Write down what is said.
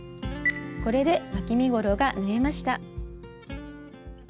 これでわき身ごろが縫えました。